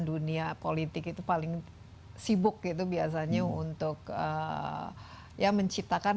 dunia politik itu paling sibuk itu biasanya untuk ya menciptakan